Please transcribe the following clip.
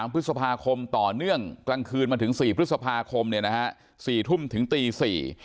๓พฤษภาคมต่อเนื่องกลางคืนมาถึง๔พฤษภาคม๔ทุ่มถึงตี๔